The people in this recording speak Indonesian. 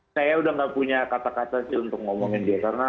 saya udah gak punya kata kata sih untuk ngomongin dia